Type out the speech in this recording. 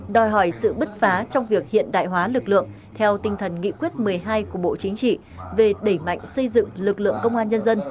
đòi hỏi sự bứt phá trong việc hiện đại hóa lực lượng theo tinh thần nghị quyết một mươi hai của bộ chính trị về đẩy mạnh xây dựng lực lượng công an nhân dân